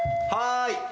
はい。